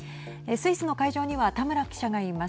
スイスの会場には田村記者がいます。